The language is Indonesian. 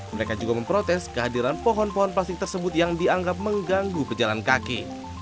mereka juga memprotes kehadiran pohon pohon plastik tersebut yang dianggap mengganggu pejalan kaki